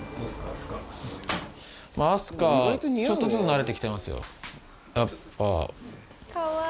明日香ちょっとずつなれて来てますよ。